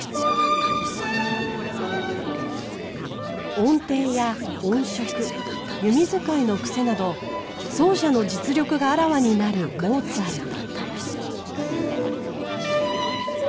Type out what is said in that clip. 音程や音色弓使いの癖など奏者の実力があらわになるモーツァルト。